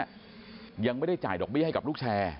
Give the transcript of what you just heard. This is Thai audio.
ยังไม่ได้จ่ายดอกเบี้ยให้กับลูกแชร์